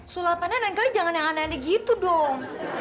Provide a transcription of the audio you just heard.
sulap aneh lain kali jangan yang aneh aneh gitu dong